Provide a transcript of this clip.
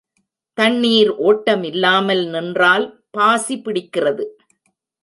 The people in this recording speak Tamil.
தண்ணீர் ஓட்டமில்லாமல் நின்றால் பாசி பிடிக்கிறது.